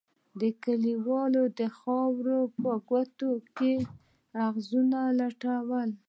كليوالو د خاورو په کوټو کښې عزيزان لټول.